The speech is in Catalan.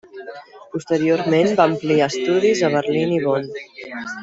Posteriorment va ampliar estudis a Berlín i Bonn.